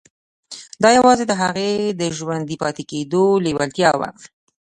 دا یوازې د هغه د ژوندي پاتې کېدو لېوالتیا وه